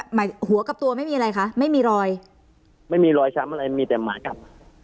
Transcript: หมายหัวกับตัวไม่มีอะไรคะไม่มีรอยไม่มีรอยช้ำอะไรมีแต่หมากัด